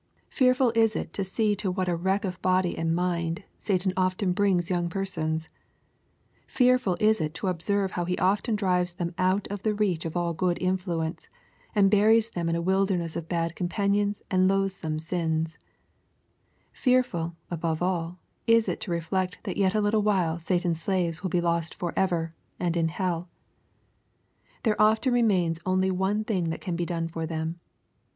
Fearful is it to see to what a wreck of body and mind Satan often brings young persons ! Fearful is it to observe how he often drives them out of the reach of all good influence, and buries them in a wilderness of bad companions and loathsome sins I Fearful, above all, is it to reflect that yet a little while Satan's slaves will be lost forever, and in hell 1 There often remains only one thing that can* be done for them.